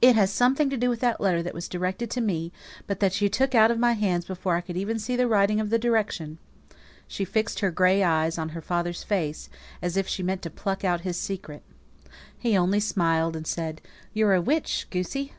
"It has something to do with that letter that was directed to me, but that you took out of my hands before I could even see the writing of the direction." She fixed her grey eyes on her father's face, as if she meant to pluck out his secret. He only smiled and said, "You're a witch, goosey!"